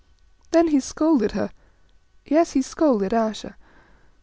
Then he scolded her yes, he scolded Ayesha!